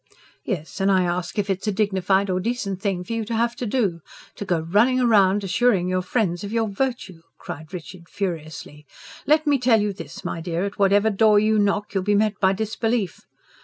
"Yes, and I ask if it's a dignified or decent thing for you to have to do? to go running round assuring your friends of your virtue!" cried Richard furiously. "Let me tell you this, my dear: at whatever door you knock, you'll be met by disbelief.